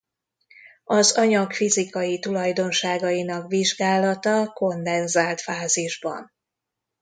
Az anyag fizikai tulajdonságainak vizsgálata kondenzált fázisban.